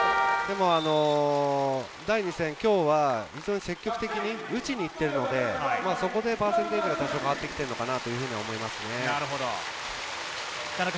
でも今日は、積極的に打ちに行っているので、そこでパーセンテージが変わってきているのかなと思いますね。